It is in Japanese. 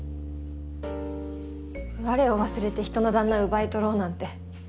我を忘れて人の旦那奪い取ろうなんて。